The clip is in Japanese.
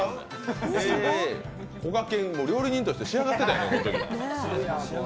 こがけん、もう料理人として仕上がってたんやね、この時は。